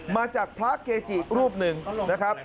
มาจากพระเกจิรูปหนึ่งนะครับ